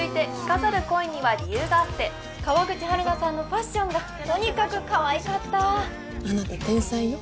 続いて川口春奈さんのファッションがとにかくかわいかったあなた天才よ